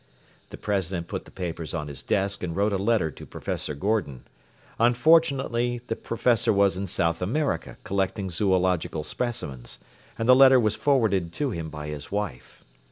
” The president put the papers on his desk and wrote a letter to Professor Gordon. Unfortunately the Professor was in South America collecting zoological specimens, and the letter was forwarded to him by his wife.